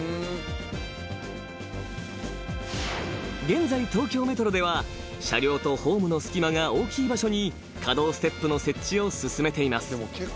［現在東京メトロでは車両とホームの隙間が大きい場所に可動ステップの設置を進めています］